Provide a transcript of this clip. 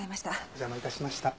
お邪魔致しました。